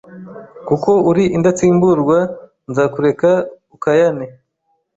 Kuko uri indatsimburwa Nzakureka ukayane.